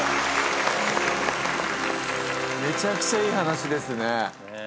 めちゃくちゃいい話ですね。